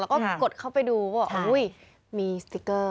แล้วก็กดเข้าไปดูก็บอกอุ้ยมีสติ๊กเกอร์